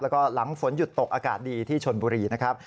แล้วก็หลังฝนหยุดตกอากาศดีที่ชนบุรีนะครับ